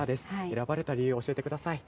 選ばれた理由、教えてください。